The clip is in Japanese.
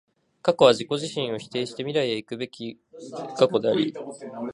過去は自己自身を否定して未来へ行くべく過去であり、